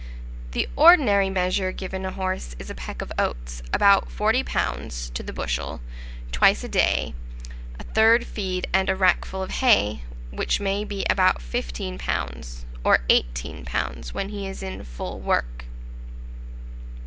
The ordinary measure given a horse is a peck of oats, about 40 lbs. to the bushel, twice a day, a third feed and a rack full of hay, which may be about 15 lbs. or 18 lbs., when he is in full work.